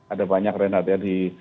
ada banyak reinhardt ya